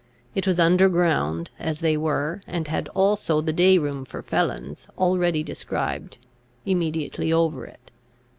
It was under ground, as they were, and had also the day room for felons, already described, immediately over it.